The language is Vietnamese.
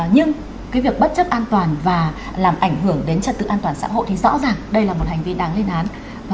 nhưng cái việc bất chấp an toàn và làm ảnh hưởng đến trật tự an toàn xã hội thì rõ ràng đây là một hành vi đáng lên án